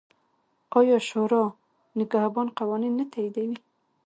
آیا شورای نګهبان قوانین نه تاییدوي؟